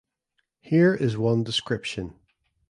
Here is one description.